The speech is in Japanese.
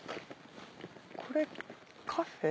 これカフェ？